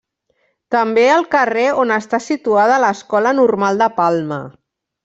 També el carrer on està situada l'Escola Normal de Palma.